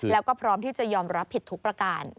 แล้วก็พร้อมที่จะยอมรับผิดทุกประการ